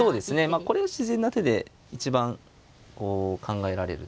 これ自然な手で一番考えられる手というかね